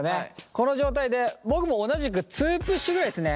この状態で僕も同じく２プッシュぐらいですね。